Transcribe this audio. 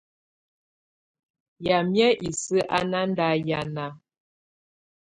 Yamɛ̀á isǝ́ á ná ndà hianà.